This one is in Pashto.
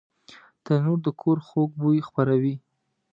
تنور د کور خوږ بوی خپروي